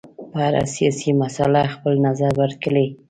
په هره سیاسي مسله خپل نظر ورکړي.